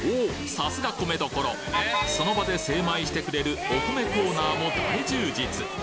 さすが米どころその場で精米してくれるお米コーナーも大充実！